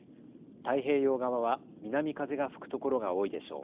太平洋側は南風が吹く所が多いでしょう。